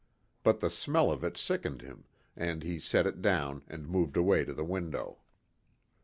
But the smell of it sickened him, and he set it down and moved away to the window.